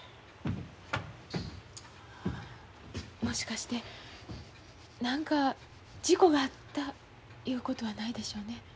もしかして何か事故があったいうことはないでしょうね。